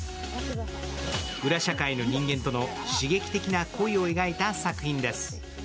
裏社会の人間との刺激的な恋を描いた作品です。